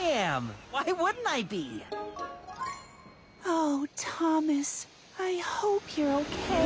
ああ！